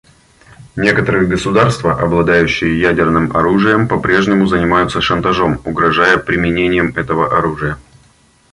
Некоторые государства, обладающие ядерным оружием, по-прежнему занимаются шантажом, угрожая применением этого оружия.